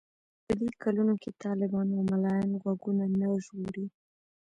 په دې کلونو کې طالبان او ملايان غوږونه نه ژغوري.